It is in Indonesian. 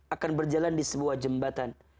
akan berjalan di sebuah jembatan